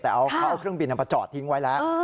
แต่เขาเอาเครื่องบินมาจอดทิ้งไว้แล้ว